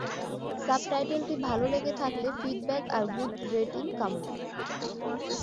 সাবটাইটেলটি ভালো লেগে থাকলে ফিডব্যাক আর গুড রেটিং কাম্য।